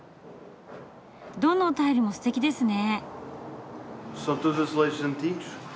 どのタイルもすてきですね。